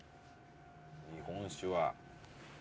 日本酒は。